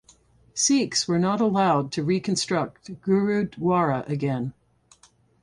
Sikhs were not allowed to reconstruct Gurudwara again.